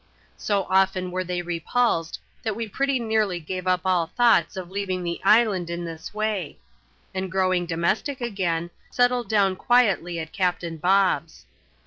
So often were they repulsed, that we pretty nearly gave up all thoughts of leaving the island in this way ; and growing domestic again, settled down quietly at Captain Bob's.